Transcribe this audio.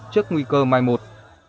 trước nguy cơ mai một